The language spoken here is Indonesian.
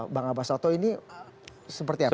bang abbas atau ini seperti apa